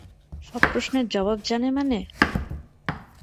সব প্রশ্নের জবাব জানে মানে?